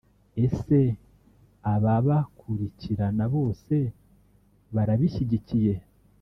Ese ababakurikirana bose barabishyigikiye